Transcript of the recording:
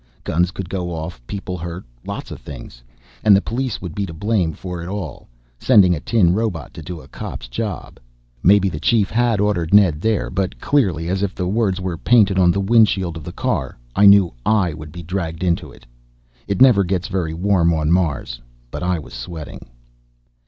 Guns could go off, people hurt, lots of things. And the police would be to blame for it all sending a tin robot to do a cop's job. Maybe the Chief had ordered Ned there, but clearly as if the words were painted on the windshield of the car, I knew I would be dragged into it. It never gets very warm on Mars, but I was sweating.